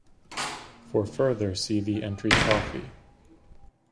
For further see the entry Coffee.